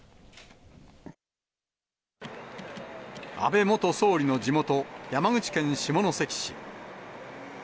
安倍元総理の地元、山口県下関市。